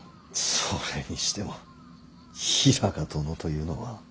それにしても平賀殿というのは。